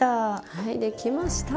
はい出来ました！